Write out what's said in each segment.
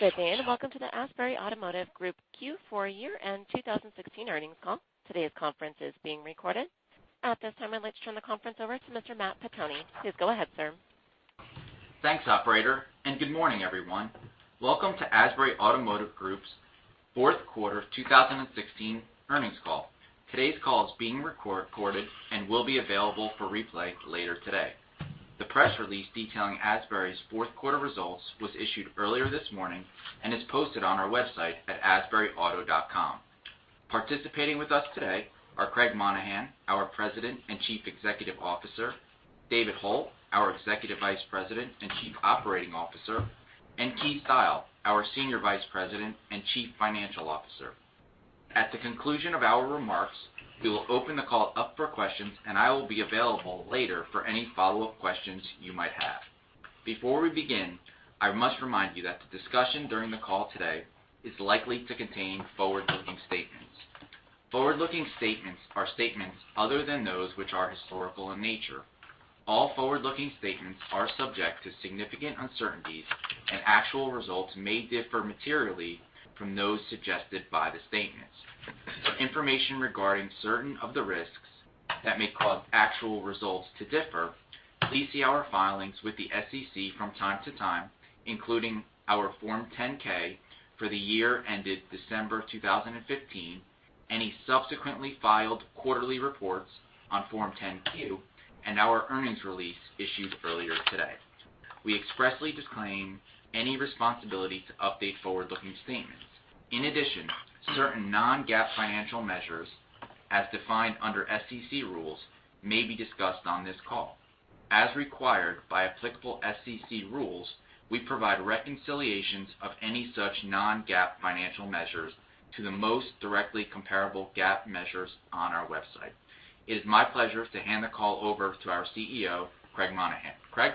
Good day, and welcome to the Asbury Automotive Group Q4 year-end 2016 earnings call. Today's conference is being recorded. At this time, I'd like to turn the conference over to Mr. Matt Pettoni. Please go ahead, sir. Thanks, operator. Good morning, everyone. Welcome to Asbury Automotive Group's fourth quarter 2016 earnings call. Today's call is being recorded and will be available for replay later today. The press release detailing Asbury's fourth quarter results was issued earlier this morning and is posted on our website at asburyauto.com. Participating with us today are Craig Monaghan, our President and Chief Executive Officer, David Hult, our Executive Vice President and Chief Operating Officer, and Keith Style, our Senior Vice President and Chief Financial Officer. At the conclusion of our remarks, we will open the call up for questions, and I will be available later for any follow-up questions you might have. Before we begin, I must remind you that the discussion during the call today is likely to contain forward-looking statements. Forward-looking statements are statements other than those which are historical in nature. All forward-looking statements are subject to significant uncertainties and actual results may differ materially from those suggested by the statements. For information regarding certain of the risks that may cause actual results to differ, please see our filings with the SEC from time to time, including our Form 10-K for the year ended December 2015, any subsequently filed quarterly reports on Form 10-Q, and our earnings release issued earlier today. We expressly disclaim any responsibility to update forward-looking statements. Certain non-GAAP financial measures, as defined under SEC rules, may be discussed on this call. As required by applicable SEC rules, we provide reconciliations of any such non-GAAP financial measures to the most directly comparable GAAP measures on our website. It is my pleasure to hand the call over to our CEO, Craig Monaghan. Craig?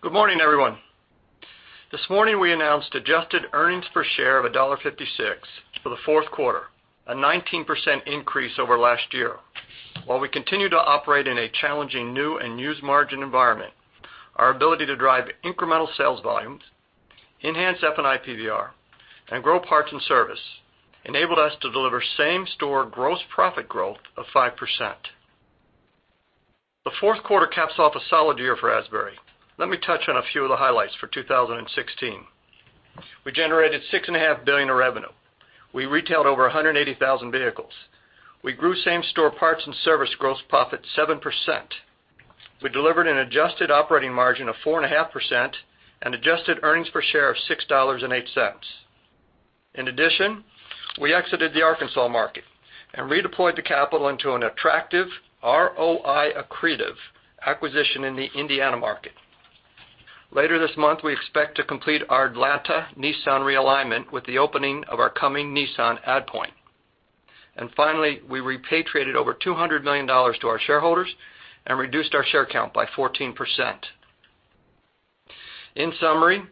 Good morning, everyone. This morning, we announced adjusted earnings per share of $1.56 for the fourth quarter, a 19% increase over last year. While we continue to operate in a challenging new and used margin environment, our ability to drive incremental sales volumes, enhance F&I PVR, and grow parts and service enabled us to deliver same-store gross profit growth of 5%. The fourth quarter caps off a solid year for Asbury. Let me touch on a few of the highlights for 2016. We generated $6.5 billion of revenue. We retailed over 180,000 vehicles. We grew same-store parts and service gross profit 7%. We delivered an adjusted operating margin of 4.5% and adjusted earnings per share of $6.08. We exited the Arkansas market and redeployed the capital into an attractive ROI accretive acquisition in the Indiana market. Later this month, we expect to complete our Atlanta Nissan realignment with the opening of our Cumming Nissan add point. Finally, we repatriated over $200 million to our shareholders and reduced our share count by 14%. In summary,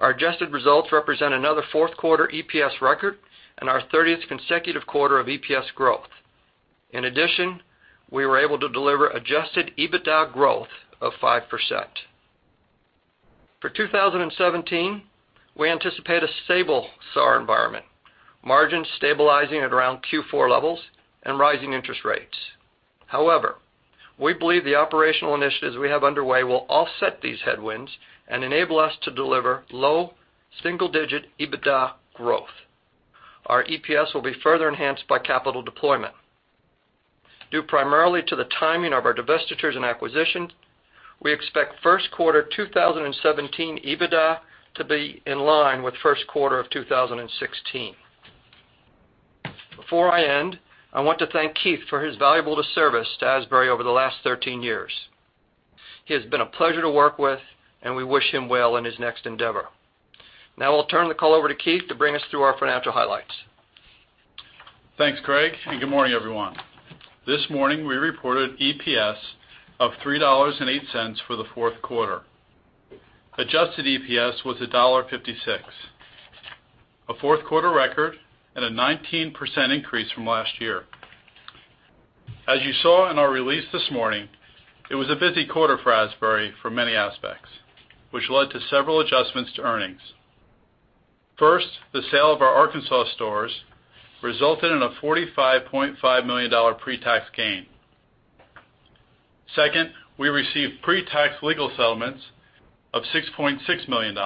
our adjusted results represent another fourth quarter EPS record and our 30th consecutive quarter of EPS growth. In addition, we were able to deliver adjusted EBITDA growth of 5%. For 2017, we anticipate a stable SAR environment, margins stabilizing at around Q4 levels, and rising interest rates. We believe the operational initiatives we have underway will offset these headwinds and enable us to deliver low single-digit EBITDA growth. Our EPS will be further enhanced by capital deployment. Due primarily to the timing of our divestitures and acquisition, we expect first quarter 2017 EBITDA to be in line with first quarter of 2016. Before I end, I want to thank Keith for his valuable service to Asbury over the last 13 years. He has been a pleasure to work with, and we wish him well in his next endeavor. I'll turn the call over to Keith to bring us through our financial highlights. Thanks, Craig. Good morning, everyone. This morning, we reported EPS of $3.08 for the fourth quarter. Adjusted EPS was $1.56, a fourth-quarter record, and a 19% increase from last year. As you saw in our release this morning, it was a busy quarter for Asbury for many aspects, which led to several adjustments to earnings. First, the sale of our Arkansas stores resulted in a $45.5 million pre-tax gain. Second, we received pre-tax legal settlements of $6.6 million.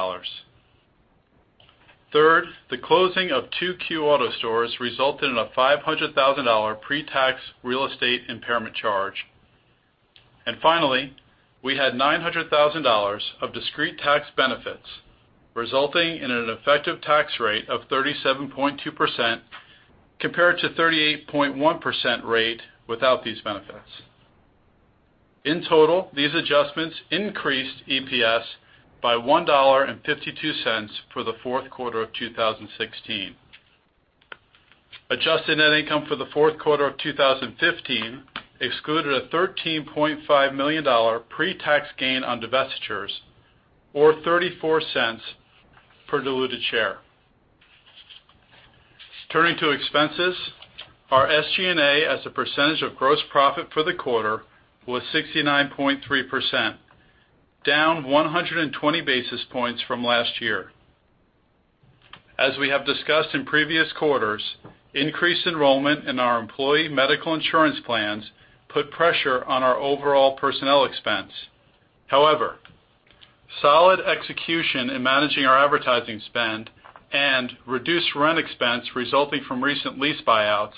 Third, the closing of two Q Auto stores resulted in a $500,000 pre-tax real estate impairment charge. Finally, we had $900,000 of discrete tax benefits, resulting in an effective tax rate of 37.2%, compared to 38.1% rate without these benefits. In total, these adjustments increased EPS by $1.52 for the fourth quarter of 2016. Adjusted net income for the fourth quarter of 2015 excluded a $13.5 million pre-tax gain on divestitures, or $0.34 per diluted share. Turning to expenses, our SG&A as a percentage of gross profit for the quarter was 69.3%, down 120 basis points from last year. As we have discussed in previous quarters, increased enrollment in our employee medical insurance plans put pressure on our overall personnel expense. Solid execution in managing our advertising spend and reduced rent expense resulting from recent lease buyouts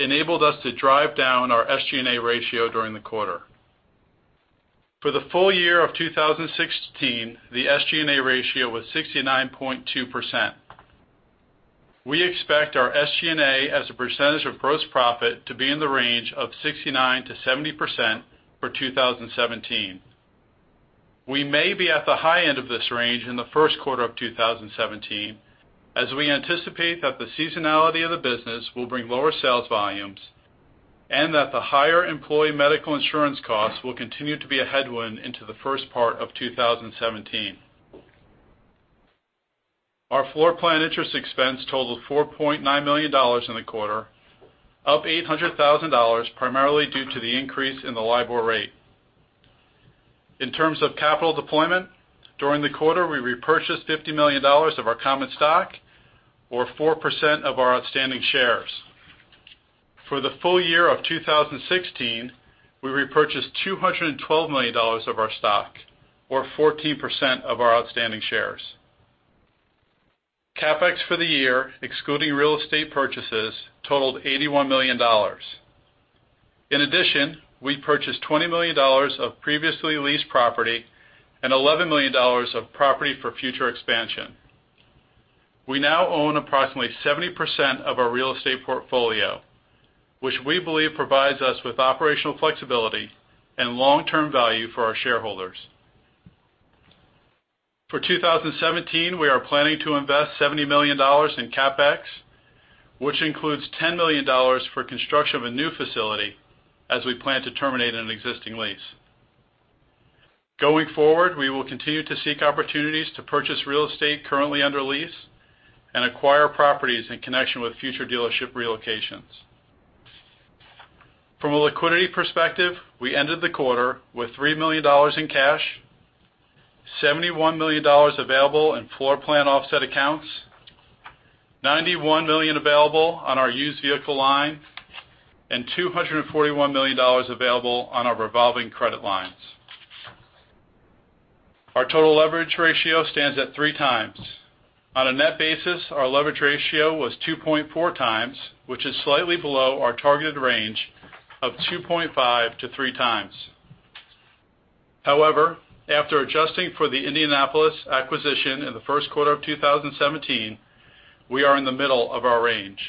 enabled us to drive down our SG&A ratio during the quarter. For the full year of 2016, the SG&A ratio was 69.2%. We expect our SG&A as a percentage of gross profit to be in the range of 69%-70% for 2017. We may be at the high end of this range in the first quarter of 2017, as we anticipate that the seasonality of the business will bring lower sales volumes and that the higher employee medical insurance costs will continue to be a headwind into the first part of 2017. Our floorplan interest expense totaled $4.9 million in the quarter, up $800,000, primarily due to the increase in the LIBOR rate. In terms of capital deployment, during the quarter, we repurchased $50 million of our common stock or 4% of our outstanding shares. For the full year of 2016, we repurchased $212 million of our stock or 14% of our outstanding shares. CapEx for the year, excluding real estate purchases, totaled $81 million. In addition, we purchased $20 million of previously leased property and $11 million of property for future expansion. We now own approximately 70% of our real estate portfolio, which we believe provides us with operational flexibility and long-term value for our shareholders. For 2017, we are planning to invest $70 million in CapEx, which includes $10 million for construction of a new facility as we plan to terminate an existing lease. We will continue to seek opportunities to purchase real estate currently under lease and acquire properties in connection with future dealership relocations. From a liquidity perspective, we ended the quarter with $3 million in cash, $71 million available in floorplan offset accounts, $91 million available on our used vehicle line, and $241 million available on our revolving credit lines. Our total leverage ratio stands at 3 times. On a net basis, our leverage ratio was 2.4 times, which is slightly below our targeted range of 2.5-3 times. However, after adjusting for the Indianapolis acquisition in the first quarter of 2017, we are in the middle of our range.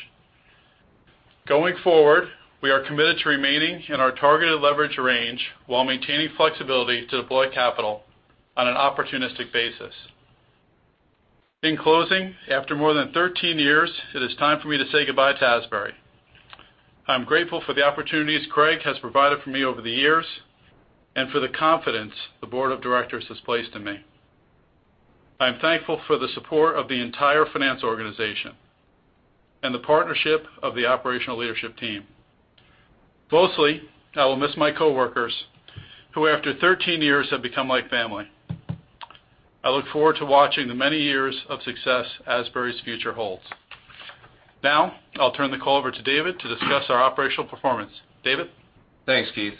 We are committed to remaining in our targeted leverage range while maintaining flexibility to deploy capital on an opportunistic basis. In closing, after more than 13 years, it is time for me to say goodbye to Asbury. I'm grateful for the opportunities Craig has provided for me over the years and for the confidence the board of directors has placed in me. I am thankful for the support of the entire finance organization and the partnership of the operational leadership team. Mostly, I will miss my coworkers, who after 13 years have become like family. I look forward to watching the many years of success Asbury's future holds. I'll turn the call over to David to discuss our operational performance. David? Thanks, Keith.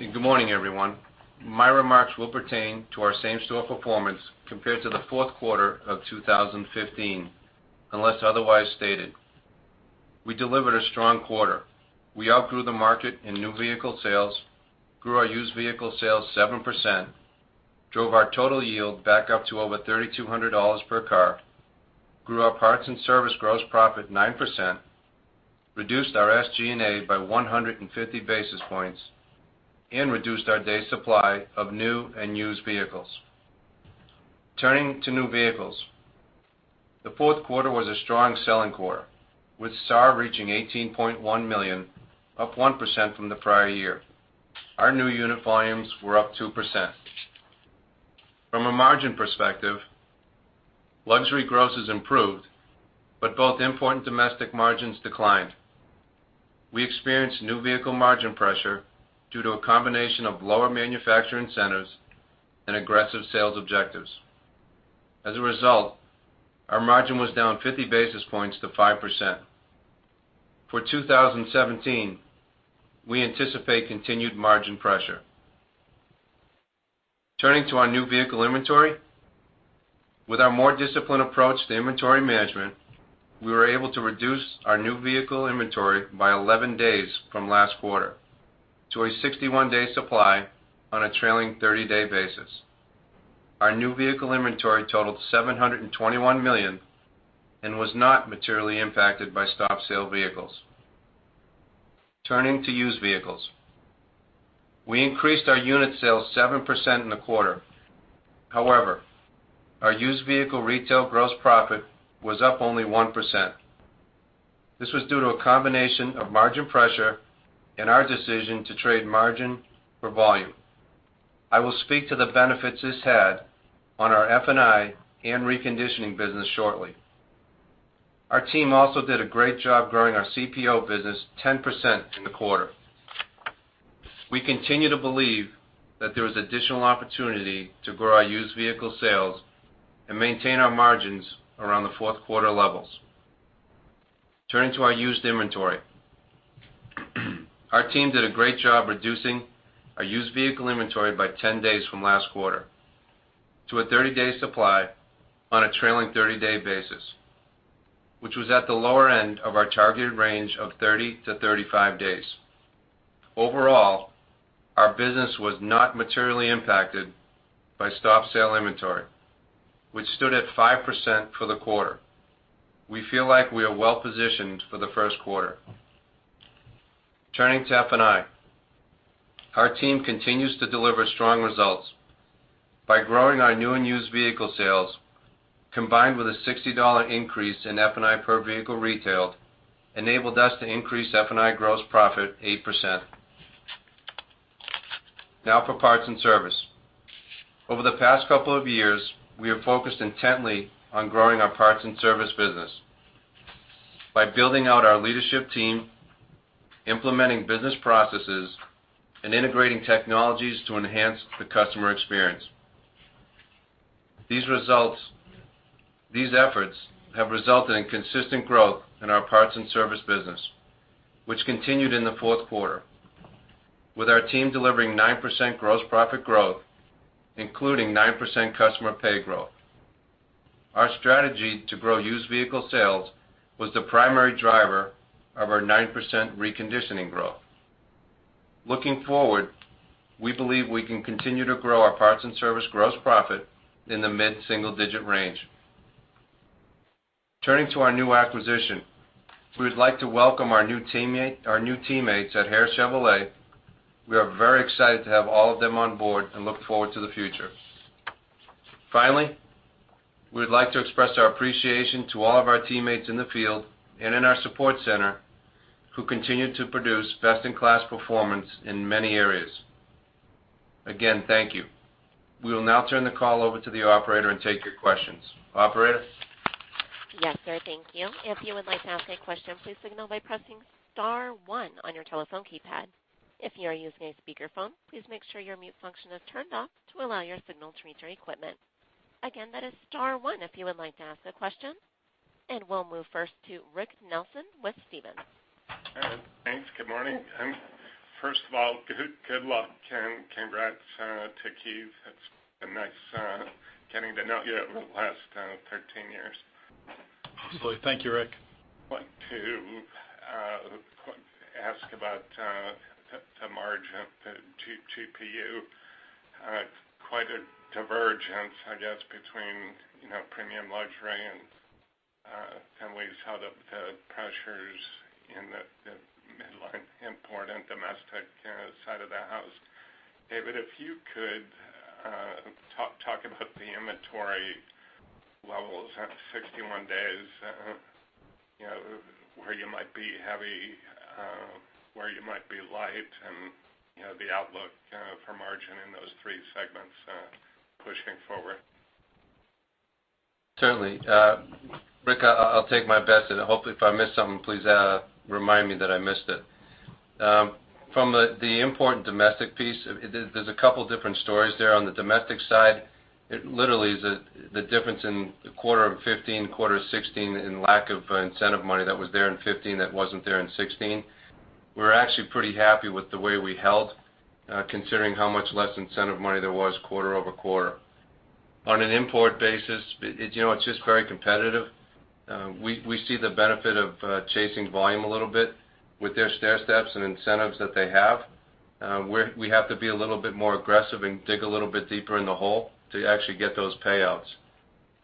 Good morning, everyone. My remarks will pertain to our same-store performance compared to the fourth quarter of 2015, unless otherwise stated. We delivered a strong quarter. We outgrew the market in new vehicle sales, grew our used vehicle sales 7%, drove our total yield back up to over $3,200 per car, grew our parts and service gross profit 9%, reduced our SG&A by 150 basis points, and reduced our day supply of new and used vehicles. Turning to new vehicles. The fourth quarter was a strong selling quarter, with SAAR reaching 18.1 million, up 1% from the prior year. Our new unit volumes were up 2%. From a margin perspective, luxury grosses improved, but both import and domestic margins declined. We experienced new vehicle margin pressure due to a combination of lower manufacturer incentives and aggressive sales objectives. As a result, our margin was down 50 basis points to 5%. For 2017, we anticipate continued margin pressure. Turning to our new vehicle inventory. With our more disciplined approach to inventory management, we were able to reduce our new vehicle inventory by 11 days from last quarter to a 61-day supply on a trailing 30-day basis. Our new vehicle inventory totaled $721 million and was not materially impacted by stop sale vehicles. Turning to used vehicles. We increased our unit sales 7% in the quarter. However, our used vehicle retail gross profit was up only 1%. This was due to a combination of margin pressure and our decision to trade margin for volume. I will speak to the benefits this had on our F&I and reconditioning business shortly. Our team also did a great job growing our CPO business 10% in the quarter. We continue to believe that there is additional opportunity to grow our used vehicle sales and maintain our margins around the fourth quarter levels. Turning to our used inventory. Our team did a great job reducing our used vehicle inventory by 10 days from last quarter to a 30-day supply on a trailing 30-day basis, which was at the lower end of our targeted range of 30-35 days. Overall, our business was not materially impacted by stop sale inventory, which stood at 5% for the quarter. We feel like we are well-positioned for the first quarter. Turning to F&I. Our team continues to deliver strong results by growing our new and used vehicle sales, combined with a $60 increase in F&I per vehicle retailed, enabled us to increase F&I gross profit 8%. Now for parts and service. Over the past couple of years, we have focused intently on growing our parts and service business by building out our leadership team, implementing business processes, and integrating technologies to enhance the customer experience. These efforts have resulted in consistent growth in our parts and service business, which continued in the fourth quarter, with our team delivering 9% gross profit growth, including 9% customer pay growth. Our strategy to grow used vehicle sales was the primary driver of our 9% reconditioning growth. Looking forward, we believe we can continue to grow our parts and service gross profit in the mid-single-digit range. Turning to our new acquisition. We would like to welcome our new teammates at Hare Chevrolet. We are very excited to have all of them on board and look forward to the future. Finally, we would like to express our appreciation to all of our teammates in the field and in our support center who continue to produce best-in-class performance in many areas. Again, thank you. We will now turn the call over to the operator and take your questions. Operator? Yes, sir. Thank you. If you would like to ask a question, please signal by pressing *1 on your telephone keypad. If you are using a speakerphone, please make sure your mute function is turned off to allow your signal to reach our equipment. Again, that is *1 if you would like to ask a question. We'll move first to Rick Nelson with Stephens. Thanks. Good morning. First of all, good luck and congrats to Keith. It's been nice getting to know you over the last 13 years. Absolutely. Thank you, Rick. Wanted to ask about the margin, the GPU. Quite a divergence, I guess, between premium luxury and can we hold up the pressures in the midline import and domestic side of the house. David, if you could talk about the inventory levels at 61 days, where you might be heavy, where you might be light, and the outlook for margin in those three segments pushing forward. Certainly. Rick, I'll take my best and hopefully if I miss something, please remind me that I missed it. From the import and domestic piece, there's a couple different stories there. On the domestic side, it literally is the difference in quarter of 2015, quarter of 2016, in lack of incentive money that was there in 2015 that wasn't there in 2016. We're actually pretty happy with the way we held, considering how much less incentive money there was quarter-over-quarter. On an import basis, it's just very competitive. We see the benefit of chasing volume a little bit with their stairsteps and incentives that they have. We have to be a little bit more aggressive and dig a little bit deeper in the hole to actually get those payouts.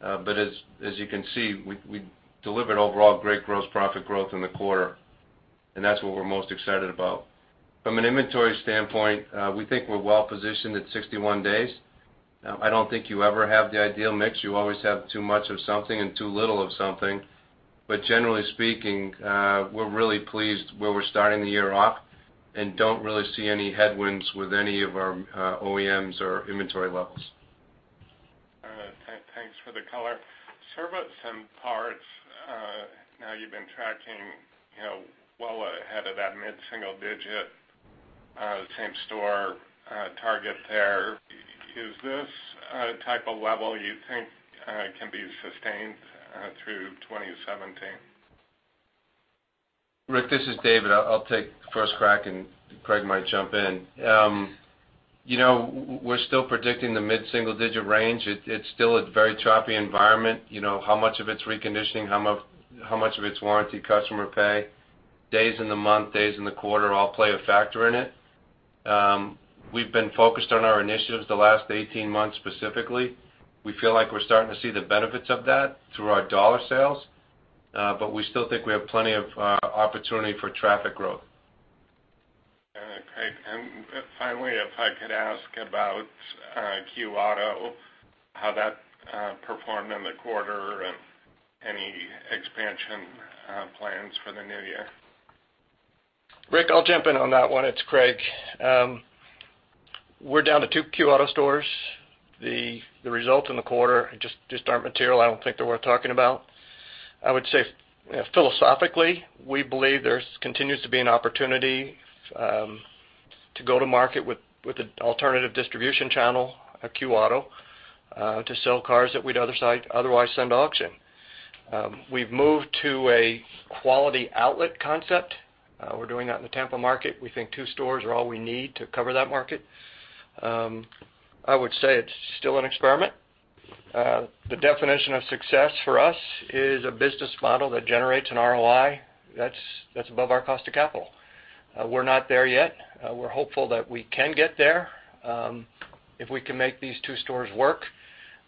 As you can see, we delivered overall great gross profit growth in the quarter. That's what we're most excited about. From an inventory standpoint, we think we're well-positioned at 61 days. I don't think you ever have the ideal mix. You always have too much of something and too little of something. Generally speaking, we're really pleased where we're starting the year off and don't really see any headwinds with any of our OEMs or inventory levels. All right. Thanks for the color. Service and parts, now you've been tracking well ahead of that mid-single digit same store target there. Is this a type of level you think can be sustained through 2017? Rick, this is David. I'll take the first crack. Craig might jump in. We're still predicting the mid-single digit range. It's still a very choppy environment. How much of it's reconditioning? How much of it's warranty, customer pay? Days in the month, days in the quarter all play a factor in it. We've been focused on our initiatives the last 18 months specifically. We feel like we're starting to see the benefits of that through our dollar sales. We still think we have plenty of opportunity for traffic growth. All right, Craig. Finally, if I could ask about Q Auto, how that performed in the quarter and any expansion plans for the new year? Rick, I'll jump in on that one. It's Craig. We're down to two Q Auto stores. The results in the quarter just aren't material. I don't think they're worth talking about. I would say philosophically, we believe there continues to be an opportunity to go to market with an alternative distribution channel, a Q Auto, to sell cars that we'd otherwise send to auction. We've moved to a quality outlet concept. We're doing that in the Tampa market. We think two stores are all we need to cover that market. I would say it's still an experiment. The definition of success for us is a business model that generates an ROI that's above our cost of capital. We're not there yet. We're hopeful that we can get there. If we can make these two stores work,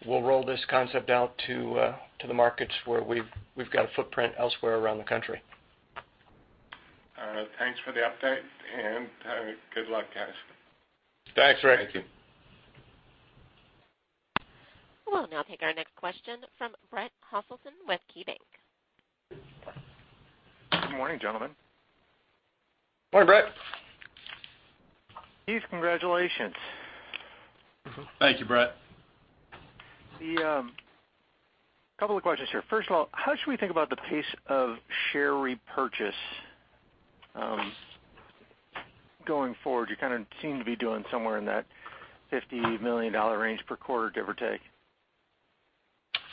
we'll roll this concept out to the markets where we've got a footprint elsewhere around the country. All right. Thanks for the update, have a good luck, guys. Thanks, Rick. Thank you. We'll now take our next question from Brett Hoselton with KeyBanc. Good morning, gentlemen. Morning, Bret. Keith, congratulations. Thank you, Bret. A couple of questions here. First of all, how should we think about the pace of share repurchase going forward? You kind of seem to be doing somewhere in that $50 million range per quarter, give or take.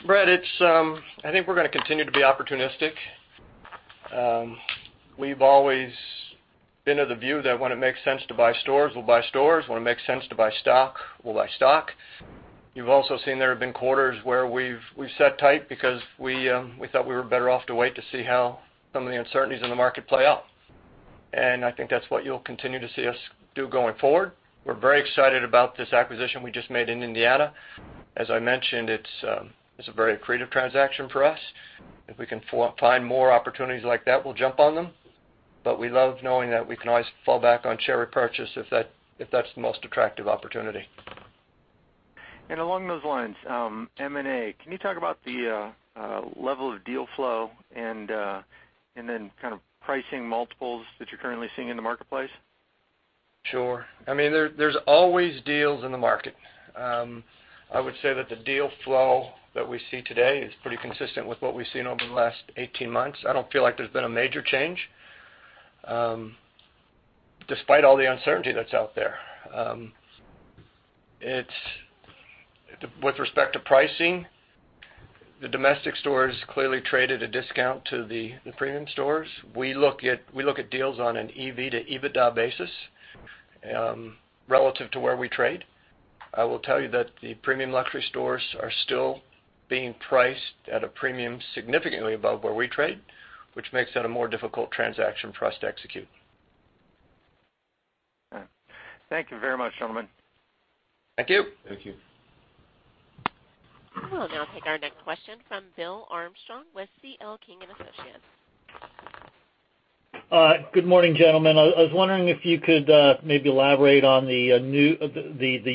Bret, I think we're going to continue to be opportunistic. We've always been of the view that when it makes sense to buy stores, we'll buy stores. When it makes sense to buy stock, we'll buy stock. You've also seen there have been quarters where we've sat tight because we thought we were better off to wait to see how some of the uncertainties in the market play out. I think that's what you'll continue to see us do going forward. We're very excited about this acquisition we just made in Indiana. As I mentioned, it's a very accretive transaction for us. If we can find more opportunities like that, we'll jump on them. We love knowing that we can always fall back on share repurchase if that's the most attractive opportunity. Along those lines, M&A, can you talk about the level of deal flow and then kind of pricing multiples that you're currently seeing in the marketplace? Sure. There's always deals in the market. I would say that the deal flow that we see today is pretty consistent with what we've seen over the last 18 months. I don't feel like there's been a major change, despite all the uncertainty that's out there. With respect to pricing, the domestic stores clearly traded a discount to the premium stores. We look at deals on an EV to EBITDA basis, relative to where we trade. I will tell you that the premium luxury stores are still being priced at a premium significantly above where we trade, which makes that a more difficult transaction for us to execute. All right. Thank you very much, gentlemen. Thank you. Thank you. We'll now take our next question from Bill Armstrong with C.L. King & Associates. Good morning, gentlemen. I was wondering if you could maybe elaborate on the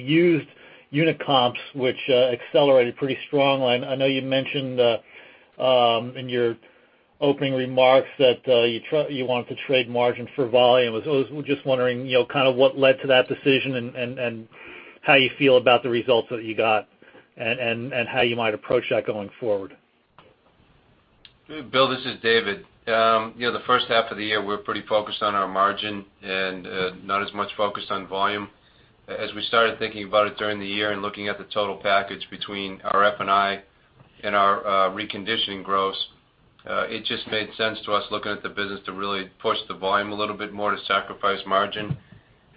used unit comps, which accelerated pretty strongly. I know you mentioned in your opening remarks that you wanted to trade margin for volume. I was just wondering, kind of what led to that decision, and how you feel about the results that you got, and how you might approach that going forward. Bill, this is David. The first half of the year, we were pretty focused on our margin and not as much focused on volume. As we started thinking about it during the year and looking at the total package between our F&I and our reconditioning gross, it just made sense to us, looking at the business, to really push the volume a little bit more, to sacrifice margin.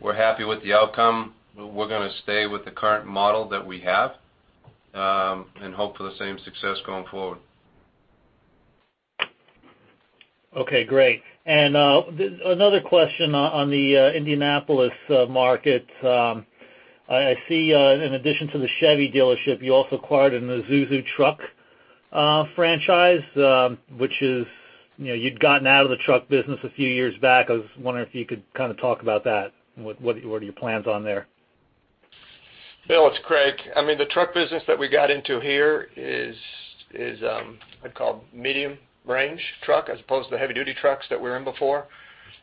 We're happy with the outcome. We're going to stay with the current model that we have, and hope for the same success going forward. Another question on the Indianapolis market. I see, in addition to the Chevy dealership, you also acquired an Isuzu truck franchise. You'd gotten out of the truck business a few years back. I was wondering if you could kind of talk about that. What are your plans on there? Bill, it's Craig. The truck business that we got into here is, I'd call, medium-range truck, as opposed to the heavy-duty trucks that we were in before.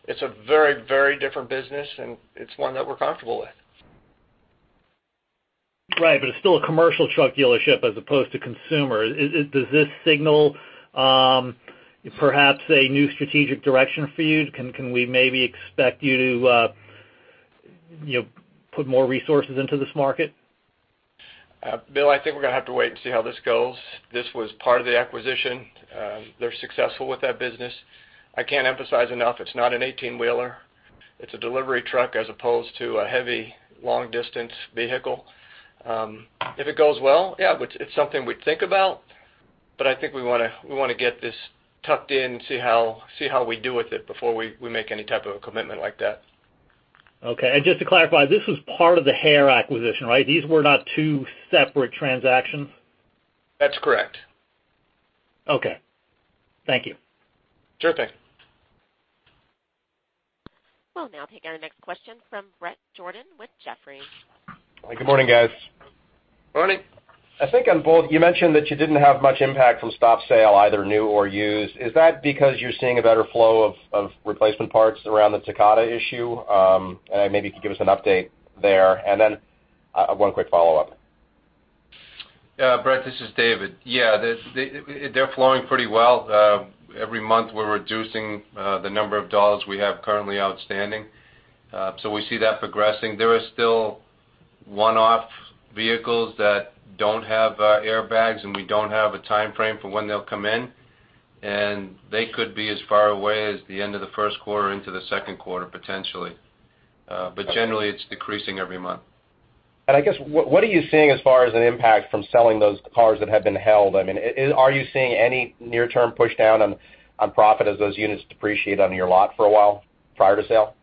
It's a very different business, and it's one that we're comfortable with. Right, it's still a commercial truck dealership as opposed to consumer. Does this signal perhaps a new strategic direction for you? Can we maybe expect you to put more resources into this market? Bill, I think we're going to have to wait and see how this goes. This was part of the acquisition. They're successful with that business. I can't emphasize enough, it's not an 18-wheeler. It's a delivery truck as opposed to a heavy, long-distance vehicle. If it goes well, yeah, it's something we'd think about, but I think we want to get this tucked in and see how we do with it before we make any type of a commitment like that. Okay. Just to clarify, this was part of the Hare acquisition, right? These were not two separate transactions? That's correct. Okay. Thank you. Sure thing. We'll now take our next question from Bret Jordan with Jefferies. Good morning, guys. Good morning. I think on both, you mentioned that you didn't have much impact from stop sale, either new or used. Is that because you're seeing a better flow of replacement parts around the Takata issue? Maybe you could give us an update there. One quick follow-up. Bret, this is David. Yeah. They're flowing pretty well. Every month we're reducing the number of $ we have currently outstanding. We see that progressing. There are still one-off vehicles that don't have airbags, and we don't have a timeframe for when they'll come in, and they could be as far away as the end of the first quarter into the second quarter, potentially. Generally, it's decreasing every month. I guess, what are you seeing as far as an impact from selling those cars that have been held? Are you seeing any near-term push-down on profit as those units depreciate on your lot for a while, prior to sale?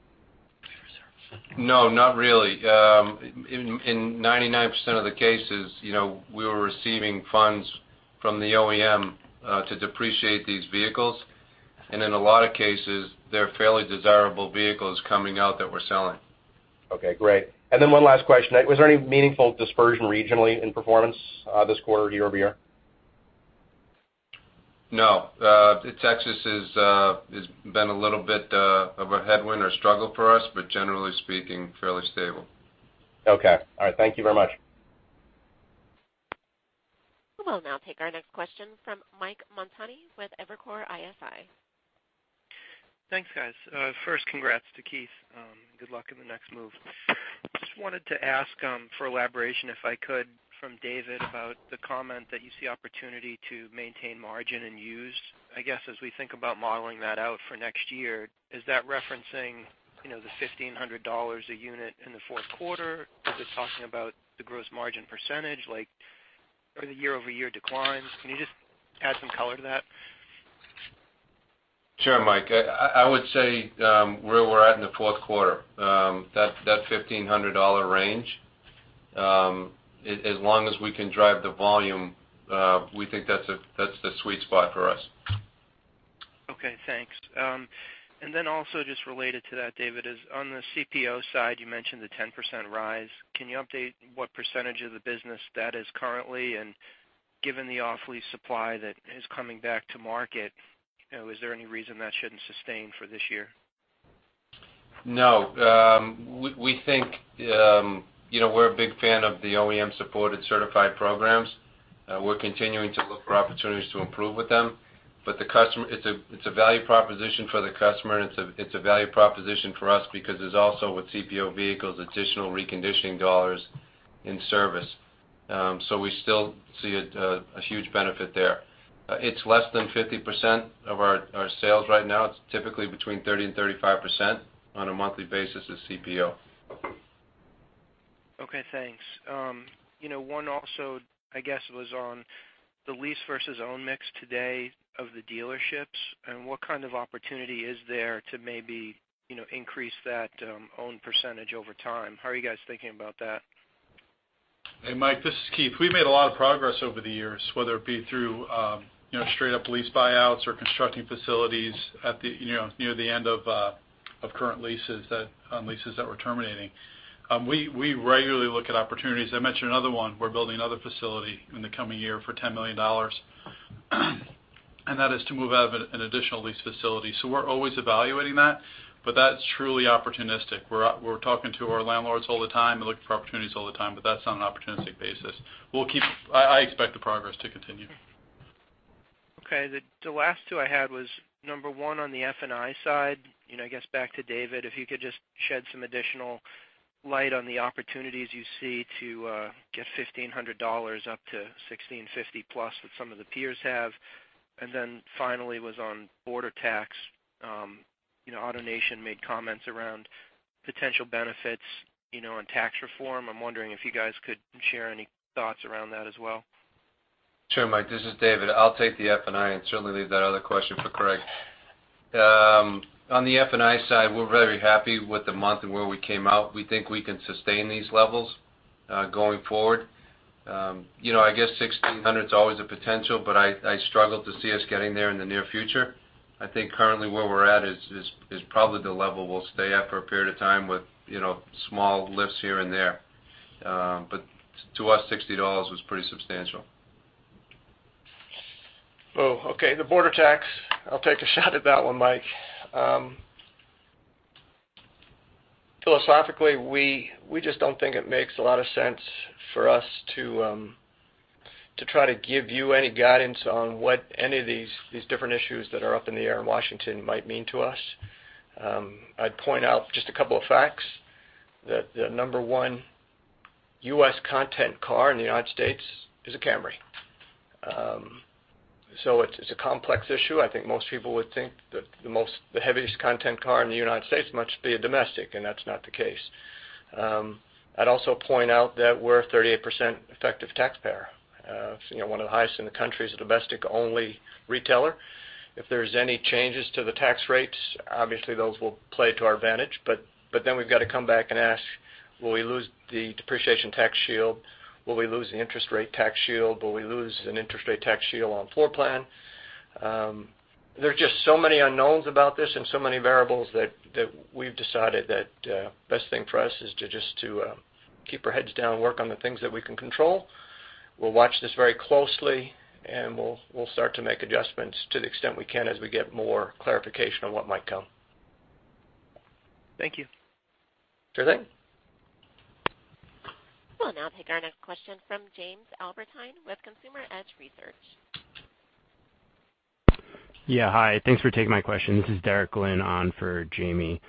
No, not really. In 99% of the cases, we were receiving funds from the OEM to depreciate these vehicles. In a lot of cases, they're fairly desirable vehicles coming out that we're selling. Okay, great. One last question. Was there any meaningful dispersion regionally in performance this quarter year-over-year? No. Texas has been a little bit of a headwind or struggle for us, but generally speaking, fairly stable. Okay. All right. Thank you very much. We will now take our next question from Michael Montani with Evercore ISI. Thanks, guys. First, congrats to Keith. Good luck in the next move. Just wanted to ask for elaboration, if I could, from David about the comment that you see opportunity to maintain margin in used. I guess as we think about modeling that out for next year, is that referencing the $1,500 a unit in the fourth quarter? Is it talking about the gross margin %, like the year-over-year declines? Can you just add some color to that? Sure, Mike. I would say, where we're at in the fourth quarter, that $1,500 range, as long as we can drive the volume, we think that's the sweet spot for us. Okay, thanks. Also just related to that, David, is on the CPO side, you mentioned the 10% rise. Can you update what percentage of the business that is currently? Given the off-lease supply that is coming back to market, is there any reason that shouldn't sustain for this year? No. We're a big fan of the OEM-supported certified programs. We're continuing to look for opportunities to improve with them. It's a value proposition for the customer, and it's a value proposition for us because there's also, with CPO vehicles, additional reconditioning dollars in service. We still see a huge benefit there. It's less than 50% of our sales right now. It's typically between 30% and 35% on a monthly basis is CPO. Okay, thanks. One also, I guess, was on the lease versus own mix today of the dealerships. What kind of opportunity is there to maybe increase that own percentage over time? How are you guys thinking about that? Hey, Mike, this is Keith. We've made a lot of progress over the years, whether it be through straight up lease buyouts or constructing facilities near the end of current leases on leases that we're terminating. We regularly look at opportunities. I mentioned another one. We're building another facility in the coming year for $10 million. That is to move out of an additional lease facility. We're always evaluating that, but that's truly opportunistic. We're talking to our landlords all the time and looking for opportunities all the time, but that's on an opportunistic basis. I expect the progress to continue. Okay. The last two I had was, number 1, on the F&I side. I guess back to David, if you could just shed some additional light on the opportunities you see to get $1,500 up to $1,650 plus that some of the peers have. Finally was on border tax. AutoNation made comments around potential benefits in tax reform. I'm wondering if you guys could share any thoughts around that as well. Sure, Mike, this is David. I'll take the F&I and certainly leave that other question for Craig. On the F&I side, we're very happy with the month and where we came out. We think we can sustain these levels going forward. I guess $1,600 is always a potential. I struggle to see us getting there in the near future. I think currently where we're at is probably the level we'll stay at for a period of time with small lifts here and there. To us, $60 was pretty substantial. Oh, okay. The border tax, I'll take a shot at that one, Mike. Philosophically, we just don't think it makes a lot of sense for us to try to give you any guidance on what any of these different issues that are up in the air in Washington might mean to us. I'd point out just a couple of facts. That the number 1 U.S. content car in the United States is a Camry. It's a complex issue. I think most people would think that the heaviest content car in the U.S. must be a domestic, and that's not the case. I'd also point out that we're a 38% effective taxpayer, one of the highest in the country as a domestic-only retailer. If there's any changes to the tax rates, obviously those will play to our advantage. we've got to come back and ask, will we lose the depreciation tax shield? Will we lose the interest rate tax shield? Will we lose an interest rate tax shield on floor plan? There are just so many unknowns about this and so many variables that we've decided that best thing for us is to just keep our heads down and work on the things that we can control. We'll watch this very closely, and we'll start to make adjustments to the extent we can as we get more clarification on what might come. Thank you. Sure thing. We'll now take our next question from James Albertine with Consumer Edge Research. Yeah. Hi. Thanks for taking my question. This is Derek Glenn on for Jamie.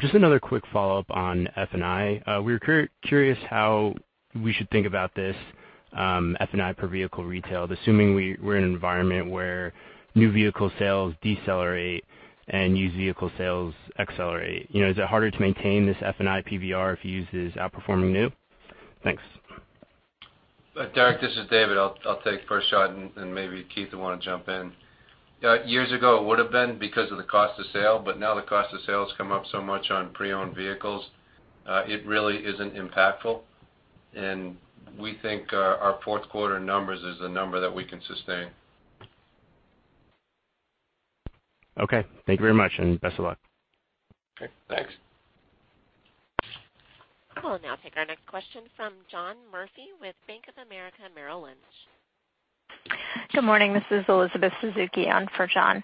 Just another quick follow-up on F&I. We were curious how we should think about this F&I per vehicle retailed, assuming we're in an environment where new vehicle sales decelerate and used vehicle sales accelerate. Is it harder to maintain this F&I PVR if used is outperforming new? Thanks. Derek, this is David. I'll take first shot, and then maybe Keith will want to jump in. Years ago, it would have been because of the cost of sale, but now the cost of sale has come up so much on pre-owned vehicles. It really isn't impactful. We think our fourth quarter numbers is a number that we can sustain. Okay. Thank you very much, and best of luck. Okay, thanks. We'll now take our next question from John Murphy with Bank of America Merrill Lynch. Good morning. This is Elizabeth Suzuki on for John.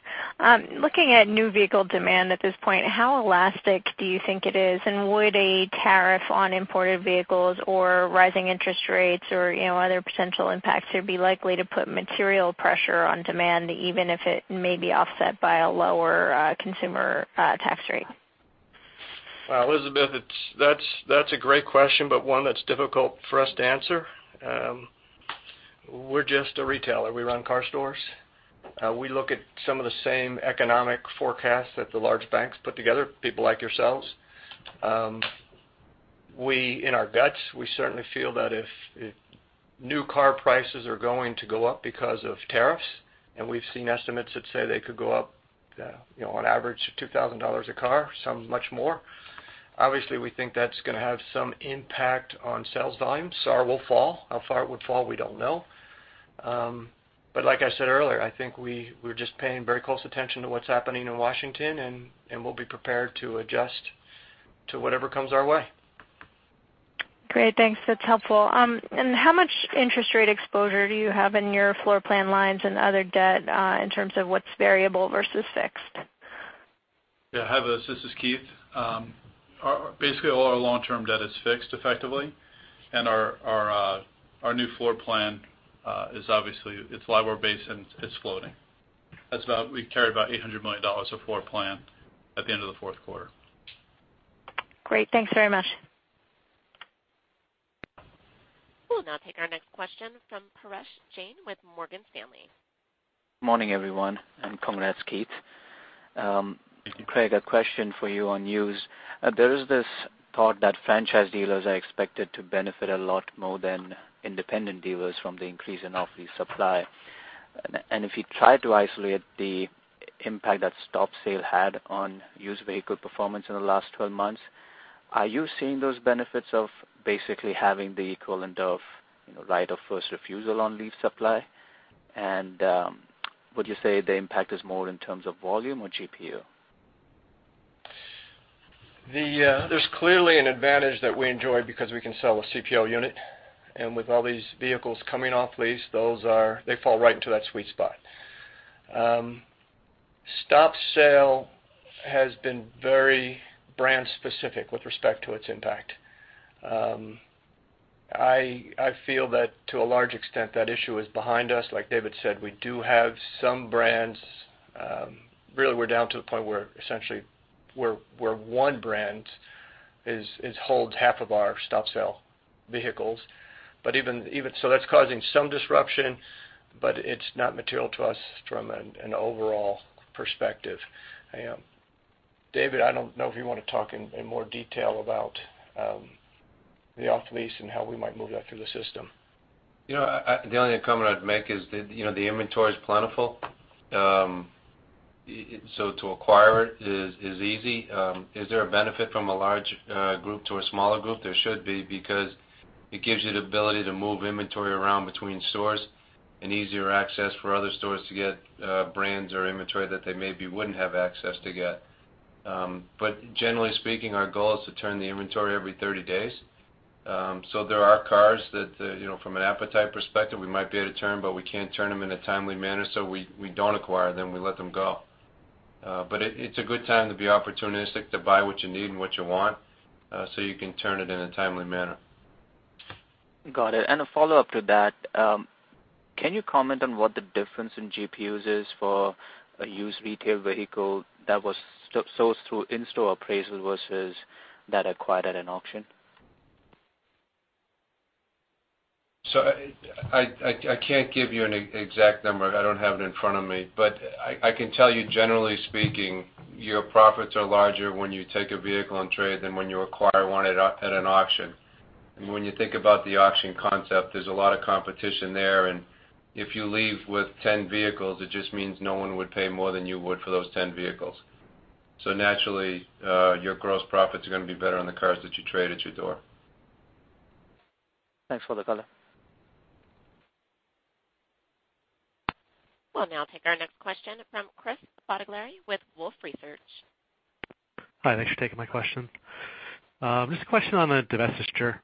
Looking at new vehicle demand at this point, how elastic do you think it is? Would a tariff on imported vehicles or rising interest rates or other potential impacts here be likely to put material pressure on demand, even if it may be offset by a lower consumer tax rate? Elizabeth, one that's difficult for us to answer. We're just a retailer. We run car stores. We look at some of the same economic forecasts that the large banks put together, people like yourselves. We, in our guts, we certainly feel that if new car prices are going to go up because of tariffs, we've seen estimates that say they could go up on average $2,000 a car, some much more. Obviously, we think that's going to have some impact on sales volume. SAR will fall. How far it would fall, we don't know. Like I said earlier, I think we're just paying very close attention to what's happening in Washington, and we'll be prepared to adjust to whatever comes our way. Great. Thanks. That's helpful. How much interest rate exposure do you have in your floor plan lines and other debt in terms of what's variable versus fixed? Yeah, Hi, Elizabeth. This is Keith. Basically, all our long-term debt is fixed effectively. Our new floor plan is obviously, it's LIBOR based, and it's floating. We carry about $800 million of floor plan at the end of the fourth quarter. Great. Thanks very much. We'll now take our next question from Paresh Jain with Morgan Stanley. Morning, everyone, and congrats, Keith. Craig, a question for you on used. There is this thought that franchise dealers are expected to benefit a lot more than independent dealers from the increase in off-lease supply. If you try to isolate the impact that stop sale had on used vehicle performance in the last 12 months, are you seeing those benefits of basically having the equivalent of right of first refusal on lease supply? Would you say the impact is more in terms of volume or GPU? There's clearly an advantage that we enjoy because we can sell a CPO unit, and with all these vehicles coming off lease, they fall right into that sweet spot. Stop sale has been very brand specific with respect to its impact. I feel that to a large extent, that issue is behind us. Like David said, we do have some brands. We're down to the point where essentially where one brand holds half of our stop sale vehicles. That's causing some disruption, but it's not material to us from an overall perspective. David, I don't know if you want to talk in more detail about the off-lease and how we might move that through the system. The only comment I'd make is the inventory is plentiful. To acquire it is easy. Is there a benefit from a large group to a smaller group? There should be because it gives you the ability to move inventory around between stores and easier access for other stores to get brands or inventory that they maybe wouldn't have access to get. Generally speaking, our goal is to turn the inventory every 30 days. There are cars that from an appetite perspective, we might be able to turn, but we can't turn them in a timely manner, so we don't acquire them. We let them go. It's a good time to be opportunistic to buy what you need and what you want, so you can turn it in a timely manner. Got it. A follow-up to that. Can you comment on what the difference in GPUs is for a used retail vehicle that was sourced through in-store appraisal versus that acquired at an auction? I can't give you an exact number. I don't have it in front of me. I can tell you, generally speaking, your profits are larger when you take a vehicle on trade than when you acquire one at an auction. When you think about the auction concept, there's a lot of competition there, and if you leave with 10 vehicles, it just means no one would pay more than you would for those 10 vehicles. Naturally, your gross profits are going to be better on the cars that you trade at your door. Thanks for the color. We'll now take our next question from Chris Bottiglieri with Wolfe Research. Hi. Thanks for taking my question. Just a question on the divestiture.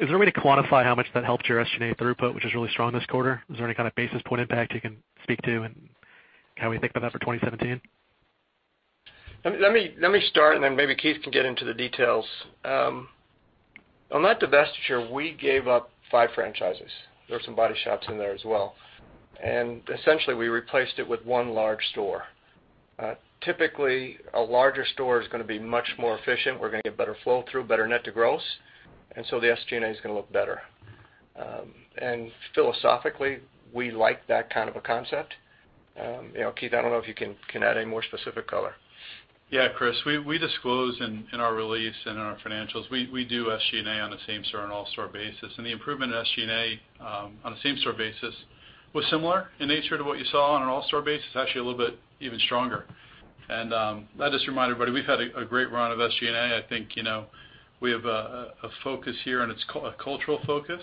Is there a way to quantify how much that helped your SG&A throughput, which was really strong this quarter? Is there any kind of basis point impact you can speak to and how we think about that for 2017? Let me start. Then maybe Keith can get into the details. On that divestiture, we gave up five franchises. There were some body shops in there as well. Essentially, we replaced it with one large store. Typically, a larger store is going to be much more efficient. We're going to get better flow through, better net to gross. So the SG&A is going to look better. Philosophically, we like that kind of a concept. Keith, I don't know if you can add any more specific color. Yeah, Chris, we disclose in our release and in our financials, we do SG&A on a same store and all store basis. The improvement in SG&A on a same-store basis was similar in nature to what you saw on an all-store basis, actually a little bit even stronger. Let us remind everybody, we've had a great run of SG&A. I think we have a focus here. It's a cultural focus.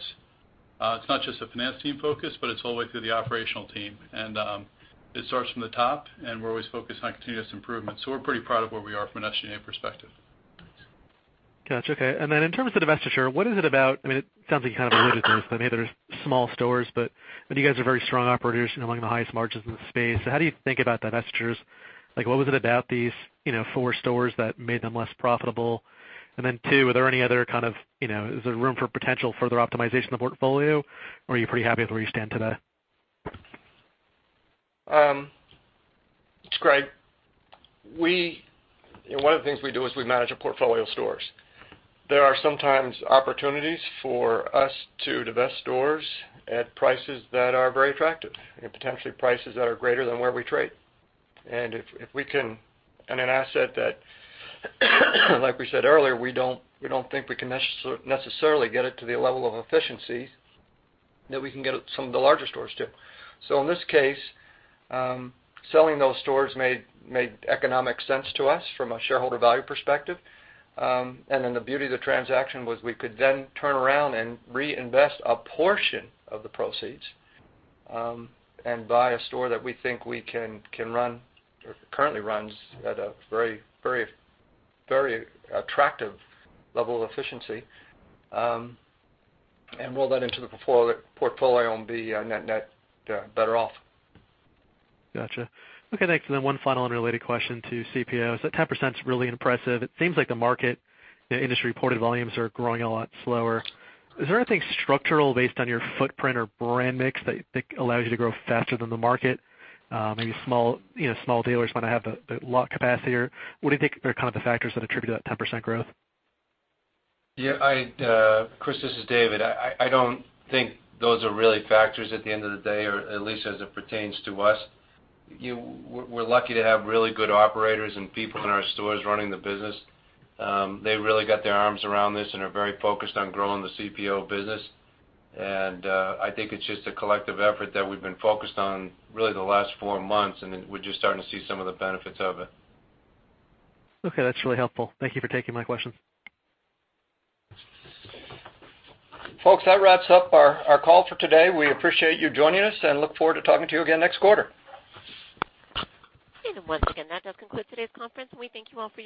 It's not just a finance team focus, but it's all the way through the operational team. It starts from the top, and we're always focused on continuous improvement. We're pretty proud of where we are from an SG&A perspective. Got you. Okay. Then in terms of divestiture, what is it about, it sounds like you kind of alluded to this, I know they're small stores, but you guys are very strong operators and among the highest margins in the space. How do you think about divestitures? What was it about these four stores that made them less profitable? Then two, are there any other kind of, is there room for potential further optimization of the portfolio or are you pretty happy with where you stand today? It's Craig. One of the things we do is we manage a portfolio of stores. There are sometimes opportunities for us to divest stores at prices that are very attractive, potentially prices that are greater than where we trade. If we can, in an asset that, like we said earlier, we don't think we can necessarily get it to the level of efficiency that we can get some of the larger stores to. In this case, selling those stores made economic sense to us from a shareholder value perspective. Then the beauty of the transaction was we could then turn around and reinvest a portion of the proceeds, buy a store that we think we can run or currently runs at a very attractive level of efficiency, and roll that into the portfolio and be net better off. Got you. Okay, thanks. Then one final unrelated question to CPOs. That 10% is really impressive. It seems like the market, the industry-reported volumes are growing a lot slower. Is there anything structural based on your footprint or brand mix that allows you to grow faster than the market? Maybe small dealers might not have the lot capacity or what do you think are kind of the factors that attribute to that 10% growth? Yeah. Chris, this is David. I don't think those are really factors at the end of the day, or at least as it pertains to us. We're lucky to have really good operators and people in our stores running the business. They really got their arms around this and are very focused on growing the CPO business. I think it's just a collective effort that we've been focused on really the last four months, and then we're just starting to see some of the benefits of it. Okay, that's really helpful. Thank you for taking my question. Folks, that wraps up our call for today. We appreciate you joining us and look forward to talking to you again next quarter. Once again, that does conclude today's conference, and we thank you all for your participation.